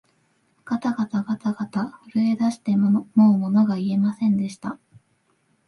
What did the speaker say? がたがたがたがた、震えだしてもうものが言えませんでした